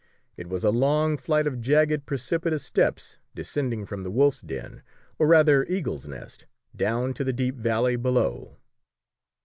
It was a long flight of jagged precipitous steps descending from the wolf's den, or rather eagle's nest, down to the deep valley below.